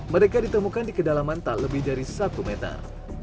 mereka ditemukan di kedalaman tak lebih dari satu meter